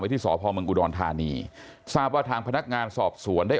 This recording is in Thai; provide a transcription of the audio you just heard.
ที่สพเมืองอุดรธานีทราบว่าทางพนักงานสอบสวนได้